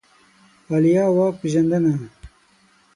عالیه واک پېژندنه